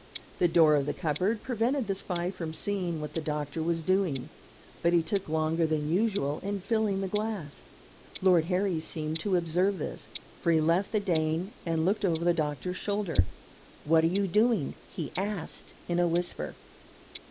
The door of the cupboard prevented the spy from seeing what the doctor was doing; but he took longer than usual in filling the glass. Lord Harry seemed to observe this, for he left the Dane and looked over the doctor's shoulder. "What are you doing?" he asked in a whisper.